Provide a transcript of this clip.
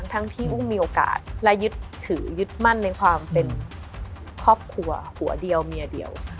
ทั้งที่อุ้มมีโอกาสและยึดถือยึดมั่นในความเป็นครอบครัวหัวเดียวเมียเดียว